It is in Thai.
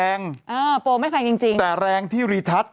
โอ้โฮโปร่าไม่แพงจริงแต่แรงที่รีทัศน์